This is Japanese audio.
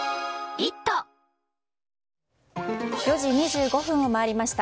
４時２５分を回りました。